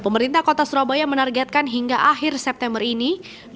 pemerintah kota surabaya menargetkan hingga akhir september ini